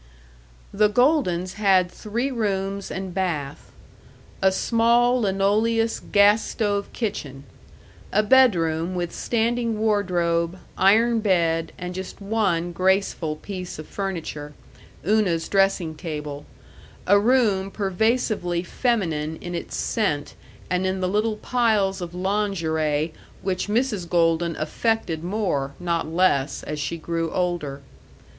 The Goldens had three rooms and bath. A small linoleous gas stove kitchen. A bedroom with standing wardrobe, iron bed, and just one graceful piece of furniture Una's dressing table; a room pervasively feminine in its scent and in the little piles of lingerie which Mrs. Golden affected more, not less, as she grew older.